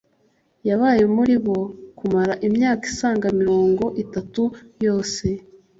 yabaye muri bo kumara imyaka isaga mirongo itatu yose